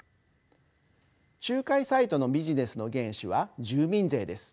仲介サイトのビジネスの原資は住民税です。